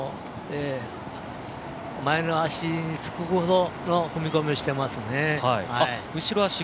前の脚つくほどの踏み込みをしていますね。